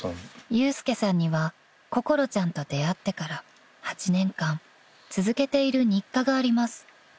［祐介さんには心ちゃんと出会ってから８年間続けている日課があります］